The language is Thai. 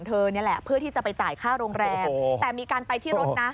นี่แหละเพื่อที่จะไปจ่ายค่าโรงแรมแต่มีการไปที่รถนะ